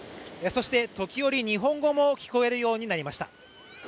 そして時折、日本語も聞こえるようになりました。